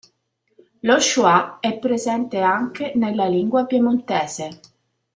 Lo "Schwa" è presente anche nella lingua piemontese.